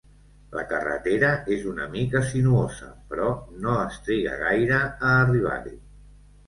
La carretera és una mica sinuosa, però no es triga gaire a arribar-hi.